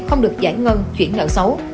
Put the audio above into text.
không được giải ngân chuyển lợi xấu